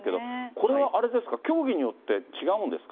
これはあれですか、競技によって違うんですか？